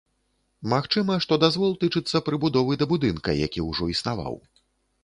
Магчыма, што дазвол тычыцца прыбудовы да будынка, які ўжо існаваў.